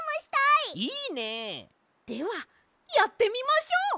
いいね！ではやってみましょう！